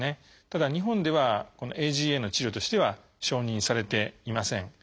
ただ日本ではこのＡＧＡの治療としては承認されていません。